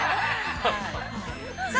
◆さあ